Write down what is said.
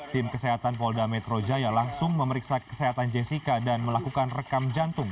tim kesehatan polda metro jaya langsung memeriksa kesehatan jessica dan melakukan rekam jantung